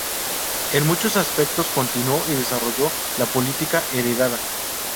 En muchos aspectos continuó y desarrolló la política heredada.